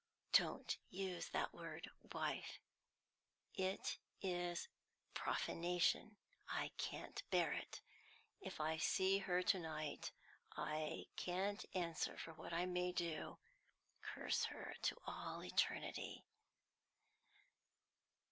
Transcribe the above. "Don't use that word 'wife,' it is profanation; I can't bear it! If I see her to night, I can't answer for what I may do. Curse her to all eternity!"